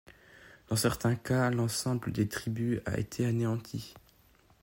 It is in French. Dans certains cas, l'ensemble des tribus a été anéanti.